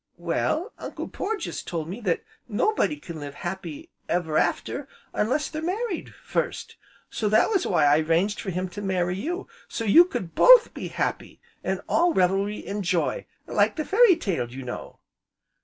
"Well, Uncle Porges told me that nobody can live happy ever after, unless they're married first. So that was why I 'ranged for him to marry you, so you could both be happy, an' all revelry an' joy, like the fairy tale, you know."